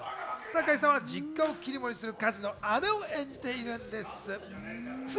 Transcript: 坂井さんは実家を切り盛りする梶の姉を演じているんです。